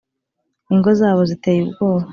ingo zabo ziteye ubwoba